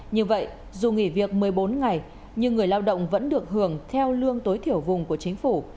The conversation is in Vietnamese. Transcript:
như vậy dù nghỉ việc một mươi bốn ngày nhưng người lao động vẫn được hưởng theo lương tối thiểu vùng của chính phủ